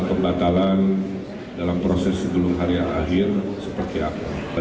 pembatalan dalam proses sebelum hari yang akhir seperti apa